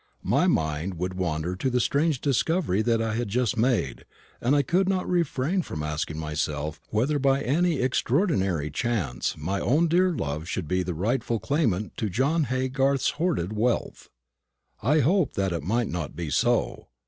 My mind would wander to the strange discovery that I had just made, and I could not refrain from asking myself whether by any extraordinary chance my own dear love should be the rightful claimant to John Haygarth's hoarded wealth. I hoped that it might not be so.